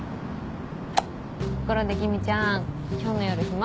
ところで君ちゃん今日の夜暇？